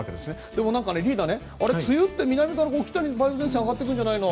でもリーダー梅雨って南から北に梅雨前線上がってくるんじゃないの。